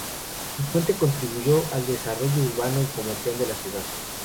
El puente contribuyó al desarrollo urbano y comercial de la ciudad.